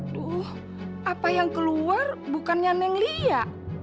aduh apa yang keluar bukannya neng lia